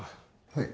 はい。